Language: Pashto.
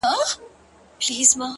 • درې ملګري له کلو انډیوالان وه ,